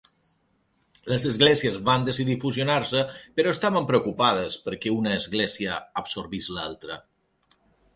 Les esglésies van decidir fusionar-se, però estaven preocupades perquè una església absorbís l'altra.